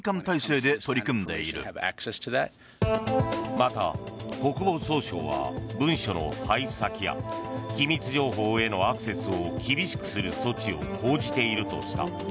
また、国防総省は文書の配布先や機密情報へのアクセスを厳しくする措置を講じているとした。